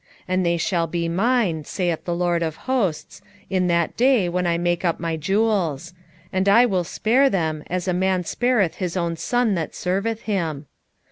3:17 And they shall be mine, saith the LORD of hosts, in that day when I make up my jewels; and I will spare them, as a man spareth his own son that serveth him.